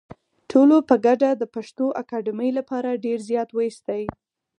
ټولو په ګډه د پښتو اکاډمۍ لپاره ډېر زیار وایستی